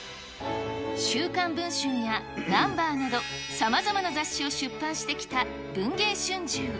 週刊文春やナンバーなど、さまざまな雑誌を出版してきた文藝春秋。